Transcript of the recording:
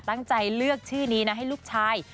ตั้งใจเลือกชื่อนี้นะให้ลูกชาย